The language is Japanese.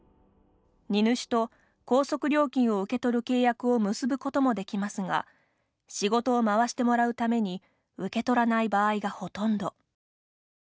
荷主と高速料金を受け取る契約を結ぶこともできますが仕事を回してもらうために受け取らない場合がほとんど。